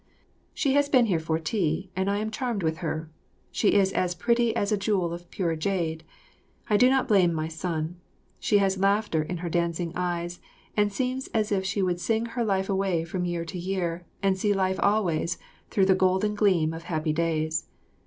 She has been here for tea, and I am charmed with her. She is as pretty as a jewel of pure jade; I do not blame my son. She has laughter in her dancing eyes and seems as if she would sing her life away from year to year and see life always through the golden gleam of happy days.